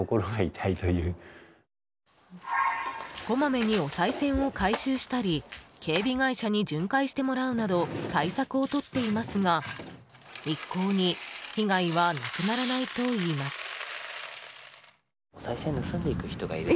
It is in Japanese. こまめにおさい銭を回収したり警備会社に巡回してもらうなど対策をとっていますが一向に被害はなくならないといいます。